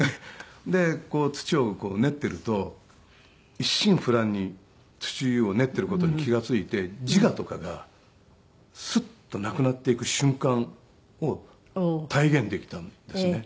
で土を練っていると一心不乱に土を練っている事に気が付いて自我とかがスッとなくなっていく瞬間を体現できたんですね。